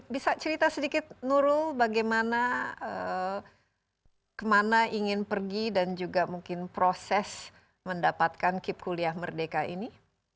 bisa cerita sedikit nurul bagaimana kemana ingin pergi dan juga mungkin proses mendapatkan kip kuliah merdeka ini